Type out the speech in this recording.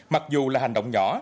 mặc dù là hành động nhỏ